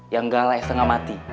yang galah ya setengah mati